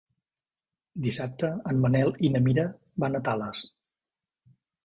Dissabte en Manel i na Mira van a Tales.